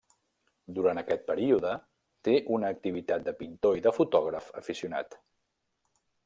Durant aquest període, té una activitat de pintor i de fotògraf aficionat.